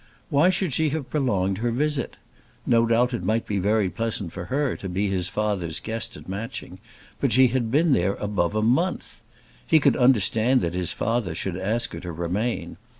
Why should she have prolonged her visit? No doubt it might be very pleasant for her to be his father's guest at Matching, but she had been there above a month! He could understand that his father should ask her to remain.